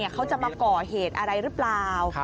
เขาจะมาก่อเหตุอะไรหรือเปล่า